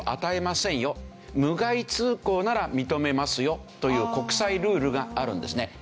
無害通航なら認めますよという国際ルールがあるんですね。